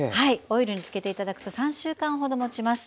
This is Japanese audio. オイルに漬けて頂くと３週間ほどもちます。